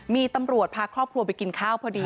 มีตำรวจพาครอบครัวไปกินข้าวพอดี